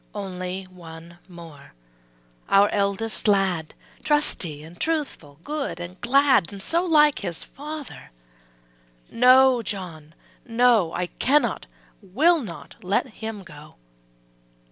Only one more, our eldest lad, Trusty and truthful, good and glad So like his father. ``No, John, no I can not, will not let him go.''